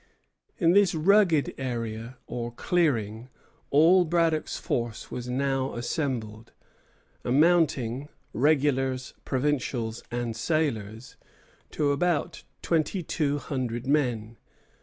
In this rugged area, or "clearing," all Braddock's force was now assembled, amounting, regulars, provincials, and sailors, to about twenty two hundred men.